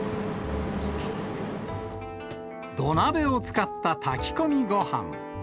土鍋を使った炊き込みごはん。